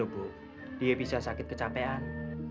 lho bu dia bisa sakit kecapean